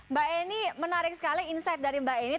mbak eni menarik sekali insight dari mbak eni